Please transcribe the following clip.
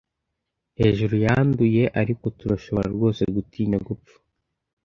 hejuru yanduye ariko turashobora rwose gutinya gupfa